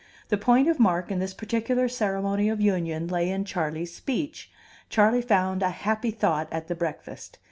The point of mark in this particular ceremony of union lay in Charley's speech; Charley found a happy thought at the breakfast.